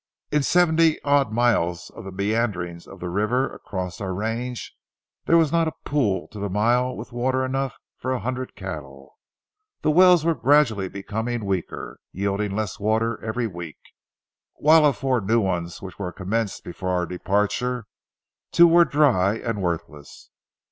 In seventy odd miles of the meanderings of the river across our range, there was not a pool to the mile with water enough for a hundred cattle. The wells were gradually becoming weaker, yielding less water every week, while of four new ones which were commenced before our departure, two were dry and worthless.